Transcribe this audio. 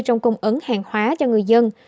trong cung ứng hàng hóa cho người dân